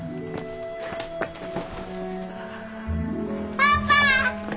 パパ！